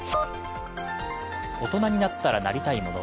大人になったらなりたいもの